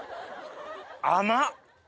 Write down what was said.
甘っ！